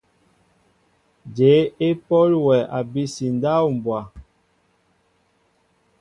Jyéé e pɔl wɛ abisi ndáw mbwa ?